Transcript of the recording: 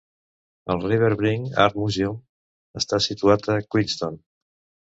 El RiverBrink Art Museum està situat a Queenston.